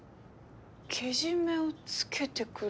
けじめをつけてくる？